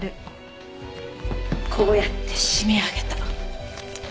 こうやって絞め上げた。